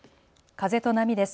風と波です。